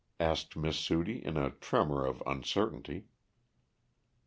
asked Miss Sudie in a tremor of uncertainty.